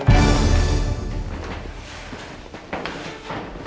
aku akan menjaga dia